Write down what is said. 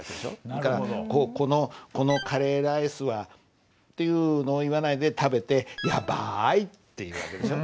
それから「このカレーライスは」っていうのを言わないで食べて「ヤバい」って言う訳でしょ。